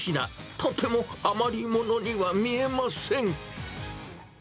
とても余り物には見えません。